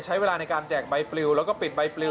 ใช้เวลาในการแจกใบปลิวแล้วก็ปิดใบปลิว